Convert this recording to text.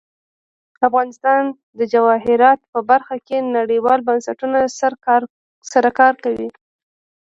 افغانستان د جواهرات په برخه کې نړیوالو بنسټونو سره کار کوي.